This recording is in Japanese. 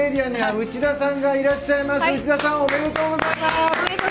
内田さんおめでとうございます！